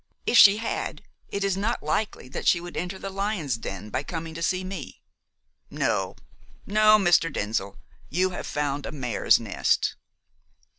If she had, it is not likely that she would enter the lion's den by coming to see me. No, no, Mr. Denzil; you have found a mare's nest."